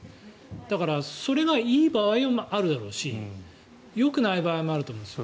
だから、それがいい場合もあるだろうしよくない場合もあると思います。